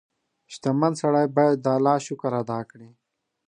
• شتمن سړی باید د الله شکر ادا کړي.